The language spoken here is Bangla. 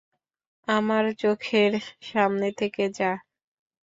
আমার চোখের সামনে থেকে যাহ্।